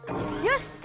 よし！